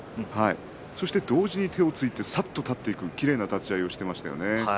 そして同時に手をついてさっと立っていくきれいな立ち合いをしていましたね。